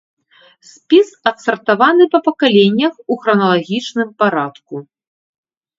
Спіс адсартаваны па пакаленнях у храналагічным парадку.